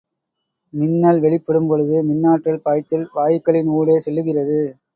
மின்னல் வெளிப்படும் பொழுது மின்னாற்றல் பாய்ச்சல் வாயுக்களின் ஊடே செல்லுகிறது.